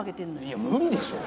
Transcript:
いや無理でしょ！